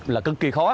là cực kỳ khó